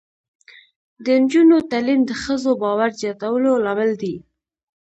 د نجونو تعلیم د ښځو باور زیاتولو لامل دی.